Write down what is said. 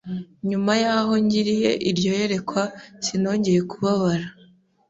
nyuma y’aho ngiriye iryo yerekwa sinongeye kubabara.